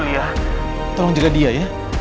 yulia tolong jaga dia ya